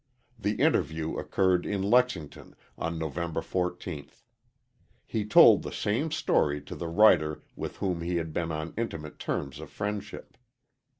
The interview occurred in Lexington on November 14th. He told the same story to the writer with whom he had been on intimate terms of friendship.